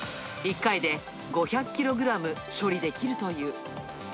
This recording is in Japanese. １回で５００キログラム処理できるという。